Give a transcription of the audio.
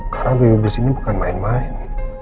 karena baby blues ini bukan main main